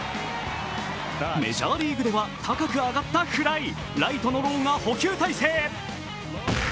メジャーリーグでは高く上がったフライ、ライトのローが捕球体勢。